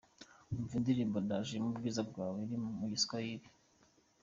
Umva indirimbo ’Ndaje mu bwiza bwawe’ iri mu Giswahili:.